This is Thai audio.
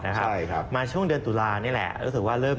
นักทุนต่างชาตินะครับ